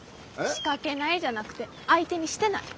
仕掛けないじゃなくて相手にしてない。